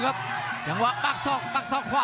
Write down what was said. รับทราบบรรดาศักดิ์